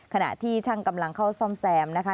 ขณะที่ช่างกำลังเข้าซ่อมแซมนะคะ